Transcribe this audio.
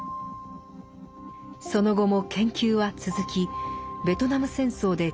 その後も研究は続きベトナム戦争で頂点を迎えます。